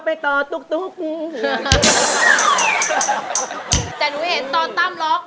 แต่หนูได้เห็นตอนตามลอง